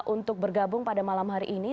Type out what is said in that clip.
untuk bergabung pada malam hari ini